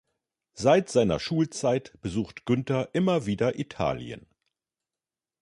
Seit seiner Schulzeit besucht Günter immer wieder Italien.